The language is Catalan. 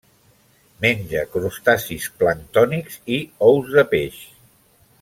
Menja crustacis planctònics i ous de peix.